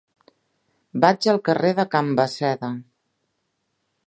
Vaig al carrer de Can Basseda.